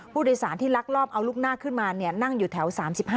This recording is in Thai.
ผู้โดยสารที่ลักลอบเอาลูกหน้าขึ้นมานั่งอยู่แถว๓๕